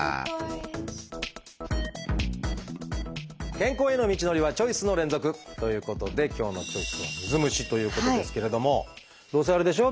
健康への道のりはチョイスの連続！ということで今日の「チョイス」はどうせあれでしょ？